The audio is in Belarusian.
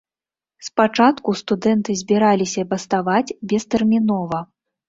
Спачатку студэнты збіраліся баставаць бестэрмінова.